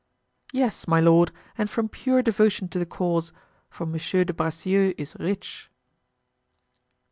"Yes, my lord, and from pure devotion to the cause, for Monsieur de Bracieux is rich."